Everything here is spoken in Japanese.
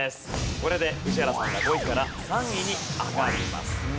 これで宇治原さんが５位から３位に上がります。